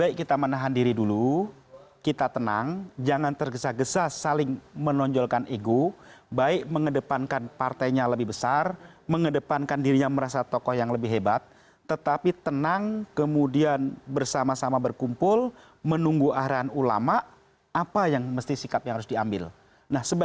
itu tidak juga menjamin akan ada keberhasilan seterusnya